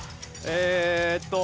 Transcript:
えーっと。